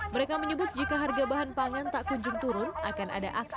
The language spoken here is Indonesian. mereka menyebut jika harga bahan pangan tak kunjung turun akan ada akses